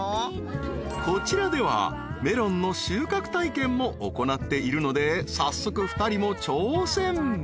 ［こちらではメロンの収穫体験も行っているので早速２人も挑戦］